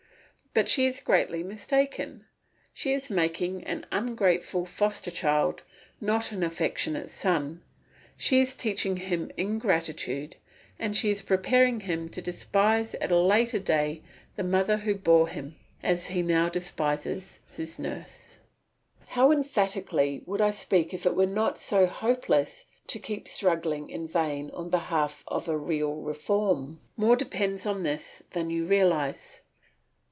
But she is greatly mistaken; she is making an ungrateful foster child, not an affectionate son; she is teaching him ingratitude, and she is preparing him to despise at a later day the mother who bore him, as he now despises his nurse. How emphatically would I speak if it were not so hopeless to keep struggling in vain on behalf of a real reform. More depends on this than you realise.